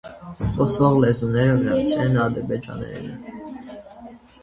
Խոսվող լեզուներն են՝ վրացերենը, ադրբեջաներենը։